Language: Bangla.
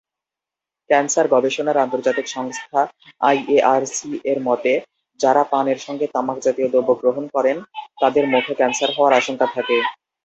ক্যান্সার গবেষণার আন্তর্জাতিক সংস্থা আইএআরসি-এর মতে, যারা পানের সঙ্গে তামাক জাতীয় দ্রব্যাদি গ্রহণ করেন তাদের মুখে ক্যান্সার হওয়ার আশঙ্কা থাকে।